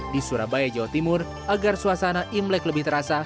di surabaya jawa timur agar suasana imlek lebih terasa